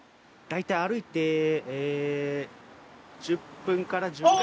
大体歩いて１０分から１５分。